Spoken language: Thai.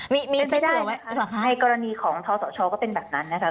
เป็นไปได้นะคะในกรณีของทศชก็เป็นแบบนั้นนะคะ